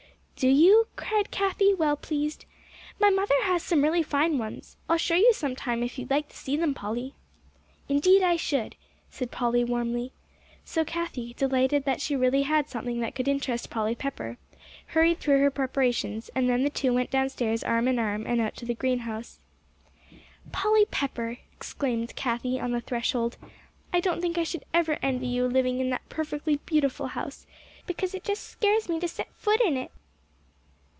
"Do you?" cried Cathie, well pleased. "My mother has some really fine ones, I'll show you sometime, if you'd like to see them, Polly." "Indeed, I should," said Polly warmly. So Cathie, delighted that she really had something that could interest Polly Pepper, hurried through her preparations; and then the two went downstairs arm in arm, and out to the greenhouse. "Polly Pepper!" exclaimed Cathie on the threshold, "I don't think I should ever envy you living in that perfectly beautiful house, because it just scares me to set foot in it."